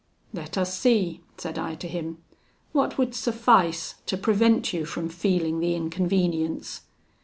"Let us see!" said I to him, "what would suffice to prevent you from feeling the inconvenience?"